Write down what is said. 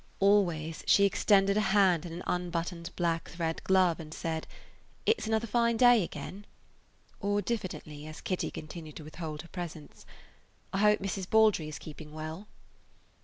Always she extended a hand in an unbuttoned black thread glove and said, "It 's another fine day again," or diffidently, as Kitty continued to withhold her presence, "I hope Mrs. Baldry is keeping well."